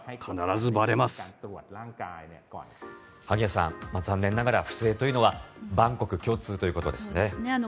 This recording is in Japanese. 萩谷さん残念ながら不正というのは万国共通ということですね。